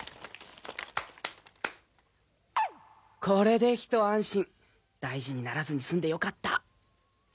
これで一安心大事にならずに済んで良かった